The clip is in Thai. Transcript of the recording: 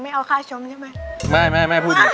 ร้องได้ให้ร้อง